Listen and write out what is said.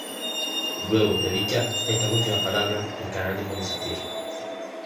Luego de dichas estas últimas palabras, el canal dejó de existir.